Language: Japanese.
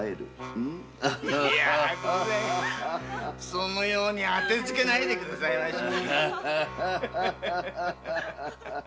そのようにあてつけないでくださいまし。